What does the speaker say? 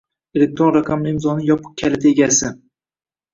Elektron raqamli imzoning yopiq kaliti egasi